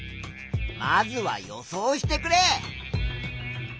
まずは予想してくれ。